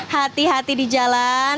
hati hati di jalan